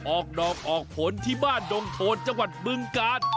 ออกดอกออกผลที่บ้านดงโทนจังหวัดบึงกาล